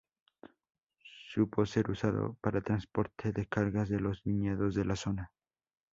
Supo ser usado para transporte de cargas de los viñedos de la zona.